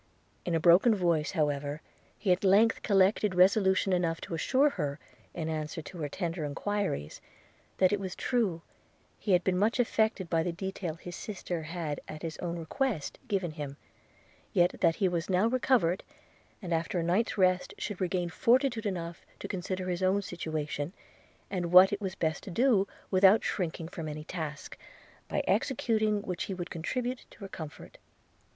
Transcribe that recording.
In a broken voice, however, he at length collected resolution enough to assure her, in answer to her tender enquiries, that it was true he had been much affected by the detail his sister had at his own request given him, yet that he was now recovered, and after a night's rest should regain fortitude enough to consider his own situation, and what it was best to do, without shrinking from any task, by executing which he would contribute to her comfort.